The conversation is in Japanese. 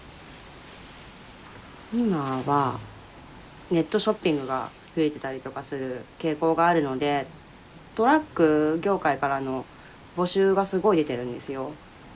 今はネットショッピングが増えてたりとかする傾向があるのでトラック業界からの募集がすごい出てるんですよ。